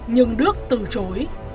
nhưng đức từ chối